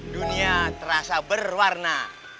dunia terasa berwarna